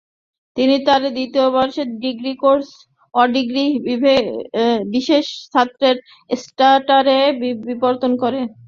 তিনি তার দ্বিতীয়বর্ষে degree course "অ-ডিগ্রী বিশেষ ছাত্রের স্ট্যাটাসে" পরিবর্তন করেন।